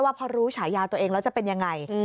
ว่าพอรู้ฉายาตัวเองแล้วจะเป็นยังไง